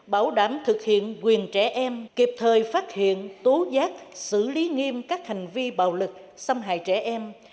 bảo đảm thực hiện quyền trẻ em kịp thời phát hiện tố giác xử lý nghiêm các hành vi bạo lực xâm hại trẻ em